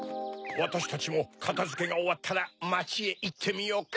わたしたちもかたづけがおわったらまちへいってみようか。